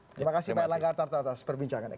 terima kasih pak erlangga tonton tonton perbincangannya